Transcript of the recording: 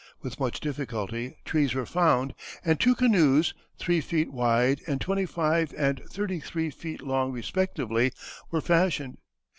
With much difficulty trees were found, and two canoes, three feet wide and twenty five and thirty three feet long respectively, were fashioned.